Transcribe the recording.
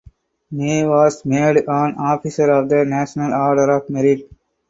Nay was made an Officier of the National Order of Merit.